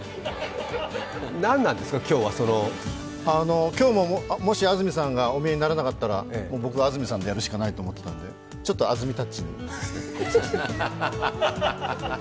何なんですか、今日はその今日も、もし安住さんがお見えにならなかったら僕、安住さんでやるしかないと思ってたんでちょっと安住タッチに。